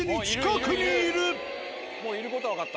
もういる事はわかった。